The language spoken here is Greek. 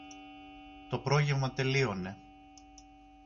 Το πρόγευμα τελείωνε